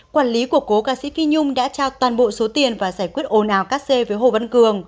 quản lý của cố ca sĩ phi nhung đã trao toàn bộ số tiền và giải quyết ồn ào các xe với hồ văn cường